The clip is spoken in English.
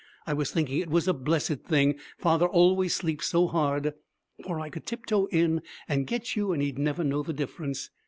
I was thinking it was a blessed thing father always sleeps so hard, for I could tip toe in and get you and he'd never know the difference.'